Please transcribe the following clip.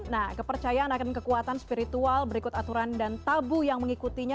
dara tanah air mas kimo selamat malam halo